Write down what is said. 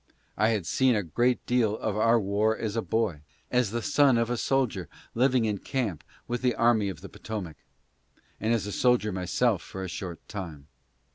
I had seen a great deal of our war as a boy, as the son of a soldier living in camp with the army of the Potomac, and as a soldier myself for a short time.